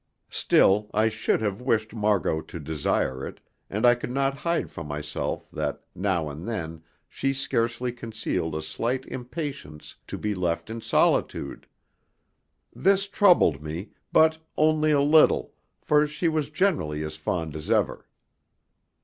Still, I should have wished Margot to desire it, and I could not hide from myself that now and then she scarcely concealed a slight impatience to be left in solitude. This troubled me, but only a little, for she was generally as fond as ever.